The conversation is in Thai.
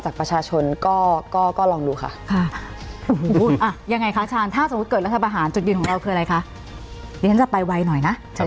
ก็อยู่ในประชาธิปไตย